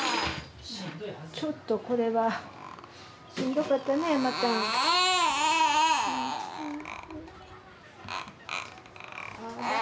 ちょっとこれはしんどかったね